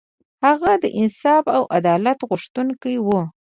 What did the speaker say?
هغه د انصاف او عدالت غوښتونکی و.